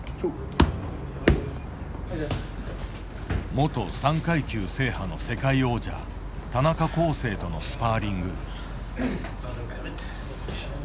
元３階級制覇の世界王者田中恒成とのスパーリング。